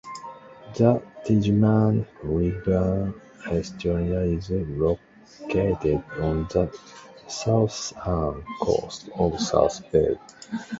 The Tijuana River Estuary is located on the southern coast of South Bay.